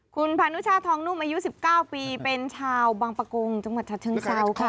คุณพานุชาทองนุ่มอายุ๑๙ปีเป็นชาวบางประกงจังหวัดฉะเชิงเซาค่ะ